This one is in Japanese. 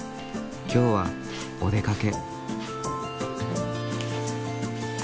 今日はお出かけ。